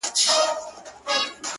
نه پوهېږم د دې کيف له برکته-